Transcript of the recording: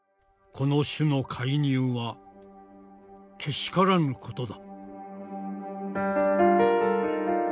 「この種の介入は怪しからぬことだ」。